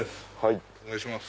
お願いします。